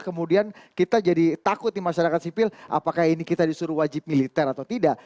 kemudian kita jadi takut di masyarakat sipil apakah ini kita disuruh wajib militer atau tidak